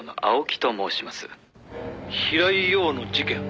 「平井陽の事件？」